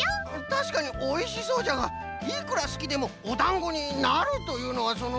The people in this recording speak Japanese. たしかにおいしそうじゃがいくらすきでもおだんごになるというのはその。